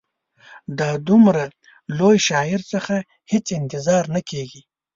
دا د دومره لوی شاعر څخه هېڅ انتظار نه کیږي.